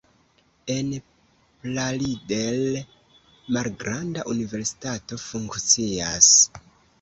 En Plaridel malgranda universitato funkcias.